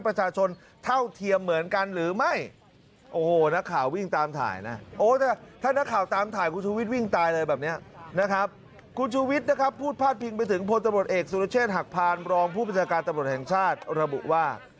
ผ่านรองผู้บริษัทการตำรวจแห่งชาติระบุว่า